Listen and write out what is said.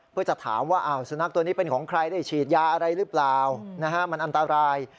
เพื่อจะถามว่าสุนัขตัวนี้เป็นของใครได้ฉีดยาอะไรหรือเปล่ามันอันตราย